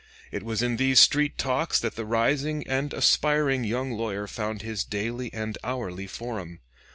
It was in these street talks that the rising and aspiring young lawyer found his daily and hourly forum.